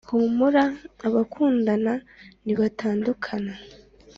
humura abakundana ntibatandukana!